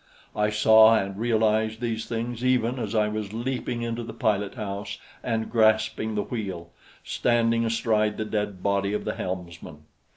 I saw and realized these things even as I was leaping into the pilot house and grasping the wheel, standing astride the dead body of the helmsman.